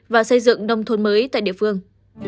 và xây dựng nông thôn mới tại địa phương